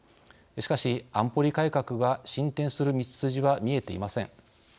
しかし、安保理改革が進展する道筋は見えていません。